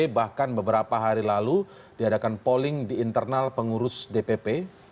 bahkan beberapa hari lalu diadakan polling di internal pengurus dpp